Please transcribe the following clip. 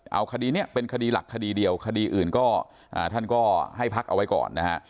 เอาคดีนี้เป็นคดีหลักคดีเดียวคดีอื่นก็ท่านก็ให้พักเอาไว้ก่อนนะฮะ